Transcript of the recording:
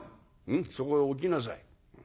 うんそこへ置きなさい。